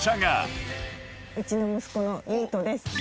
うちの息子の優翔です。